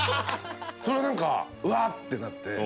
それで何かうわってなって。